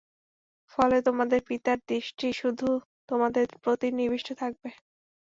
ফলে তোমাদের পিতার দৃষ্টি শুধু তোমাদের প্রতিই নিবিষ্ট থাকবে।